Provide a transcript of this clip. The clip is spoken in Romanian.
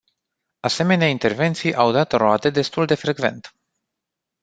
Asemenea intervenții au dat roade destul de frecvent.